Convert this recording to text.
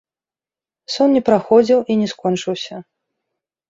Сон не праходзіў і не скончыўся.